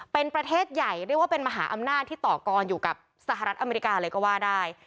เป็นประเทศใหญ่เรียกว่าเป็นมหาอำนาจที่ต่อกรอยู่กับสหรัฐอเมริกาเลยก็ว่าได้